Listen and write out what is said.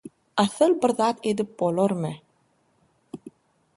Asyl bir zat edip bolarmy?